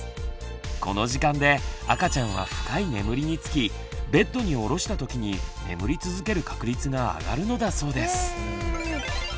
この時間で赤ちゃんは深い眠りにつきベッドにおろしたときに眠り続ける確率があがるのだそうです。